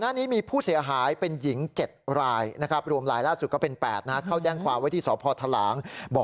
หน้านี้มีผู้เสียหายเป็นหญิง๗รายรวมรายล่าสุดก็เป็น๘